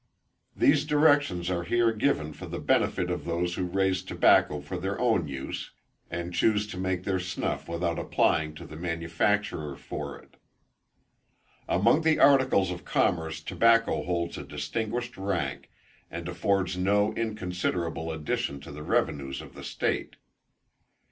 These directions are here given for the benefit of those who raise tobacco for their own use, and chuse to make their snuff without applying to the manufacturer for it. Among the articles of commerce tobacco holds a distinguished rank, and affords no inconsiderable addition to the revenues of the state.